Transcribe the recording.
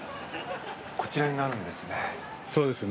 こちらになるんですね。